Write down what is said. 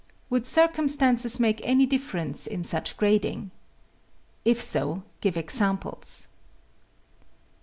Would circumstances make any difference in such grading? If so, give examples.